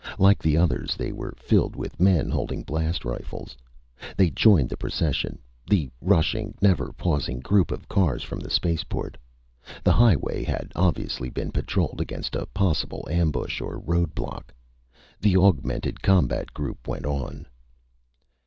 Like the others, they were filled with men holding blast rifles. They joined the procession the rushing, never pausing group of cars from the spaceport. The highway had obviously been patrolled against a possible ambush or road block. The augmented combat group went on.